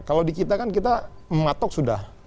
kalau di kita kan kita mematok sudah